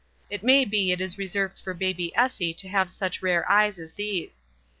It may be it is reserved for baby Essie to have such rare eyes as these.